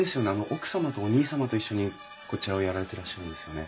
奥様とお兄様と一緒にこちらをやられてらっしゃるんですよね？